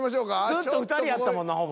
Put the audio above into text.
ずっと２人やったもんなほぼ。